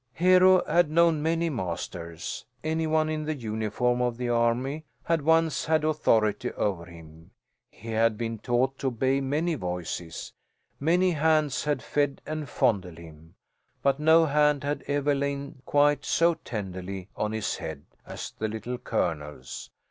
Hero had known many masters. Any one in the uniform of the army had once had authority over him. He had been taught to obey many voices. Many hands had fed and fondled him, but no hand had ever lain quite so tenderly on his head, as the Little Colonel's.